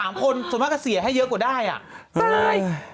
ผัก๒๓คนส่วนมากจะเสียให้เกิดให้เยอะกว่าได้